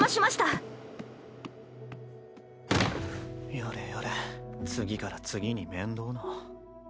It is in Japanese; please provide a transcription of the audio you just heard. やれやれ次から次に面倒な。